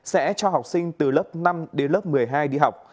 sẽ cho học sinh từ lớp năm đến lớp một mươi hai đi học